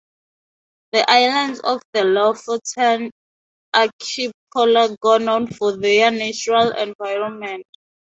The islands of the Lofoten archipelago are known for their natural environment.